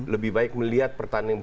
lebih baik melihat pertandingan